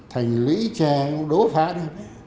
thành lũy tre đố phát